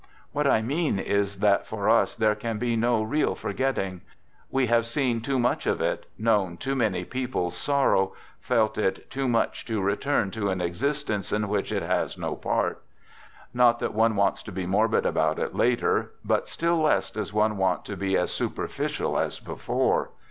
What I mean is that for us there can be no real forgetting. We have seen too much of it, known too many people's sorrow, felt 48 " THE GOOD SOLDIER " it too much to return to an existence in which it has no part. Not that one wants to be morbid about it later; but still less does one want to be as superficial as before.